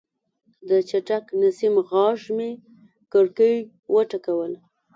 د چټک نسیم غږ مې کړکۍ وټکوله.